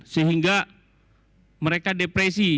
sehingga mereka depresi